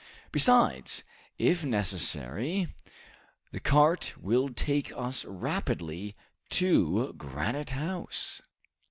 Besides, if necessary, the cart will take us rapidly to Granite House."